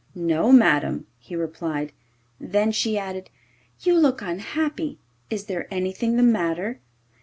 'No, madam,' he replied. Then she added, 'You look unhappy; is there anything the matter?